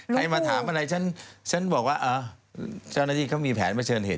ใครมาถามอะไรฉันฉันบอกว่าเจ้าหน้าที่เขามีแผนเผชิญเหตุ